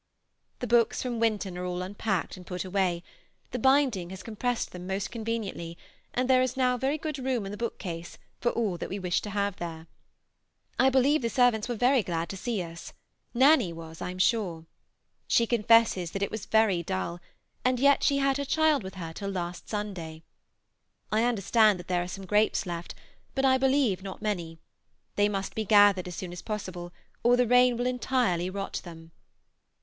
The books from Winton are all unpacked and put away; the binding has compressed them most conveniently, and there is now very good room in the bookcase for all that we wish to have there. I believe the servants were very glad to see us Nanny was, I am sure. She confesses that it was very dull, and yet she had her child with her till last Sunday. I understand that there are some grapes left, but I believe not many; they must be gathered as soon as possible, or this rain will entirely rot them.